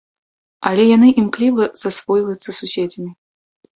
Але яны імкліва засвойваюцца суседзямі.